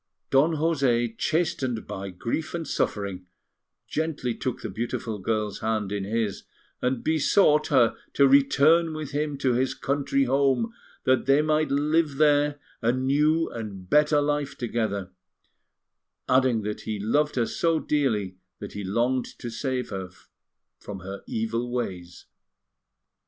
Don José, chastened by grief and suffering, gently took the beautiful girl's hand in his and besought her to return with him to his country home, that they might there live a new and better life together; adding that he loved her so dearly that he longed to save her from her evil ways.